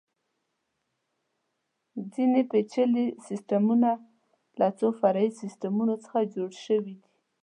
ځینې پېچلي سیسټمونه له څو فرعي سیسټمونو څخه جوړ شوي دي.